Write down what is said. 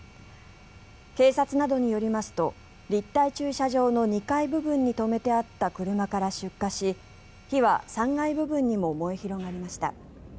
警察などによりますと立体駐車場の２階部分に止めてあった車から出火し火は３階部分にも燃え広がりました。